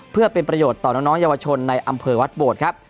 เพื่อเป็นประโยชน์ต่อน้องเยาวชนในอำเภอวัดโบดครับ